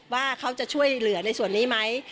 ว่าเขาจะช่วยเหลือในส่วนนี้ไหม